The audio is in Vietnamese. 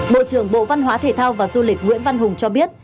bộ trưởng bộ văn hóa thể thao và du lịch nguyễn văn hùng cho biết